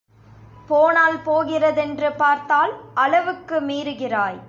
போனால் போகிறதென்று பார்த்தால் அளவுக்கு மீறுகிறாய்.